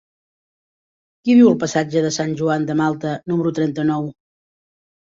Qui viu al passatge de Sant Joan de Malta número trenta-nou?